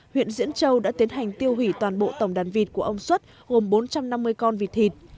huyện diễn châu đã tiến hành tiêu hủy toàn bộ tổng đàn vịt của ông xuất gồm bốn trăm năm mươi con vịt thịt